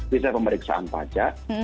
bisa pemeriksaan pajak